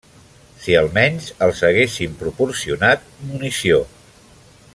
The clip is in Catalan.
Si almenys els haguessin proporcionat munició!